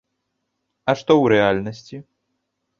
А што ў рэальнасці?